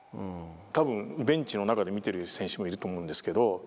多分ベンチの中で見てる選手もいると思うんですけど。